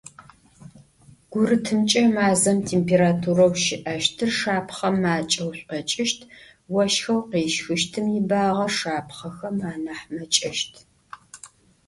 Гурытымкӏэ мазэм температурэу щыӏэщтыр шапхъэм макӏэу шӏокӏыщт, ощхэу къещхыщтым ибагъэ шапхъэхэм анахь мэкӏэщт.